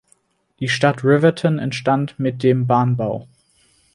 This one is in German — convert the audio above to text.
Die Stadt Riverton entstand mit dem Bahnbau.